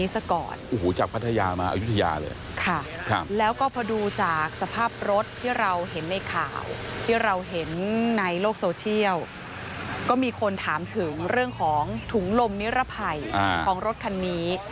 ส่งโทรศัพท์โซเชียลก็มีคนถามถึงเรื่องของถุงลมนิรภัยของรถคันนี้